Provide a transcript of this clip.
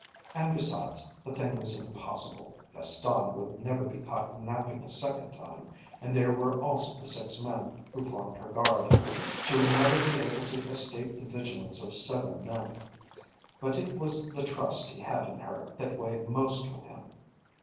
And, besides, the thing was impossible. Gaston would never be caught napping a second time, and there were also the six men who formed her guard. She would never be able to escape the vigilance of seven men. But it was the trust he had in her that weighed most with him.